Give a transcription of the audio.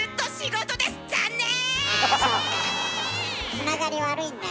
つながり悪いんだね。